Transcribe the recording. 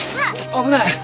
危ない！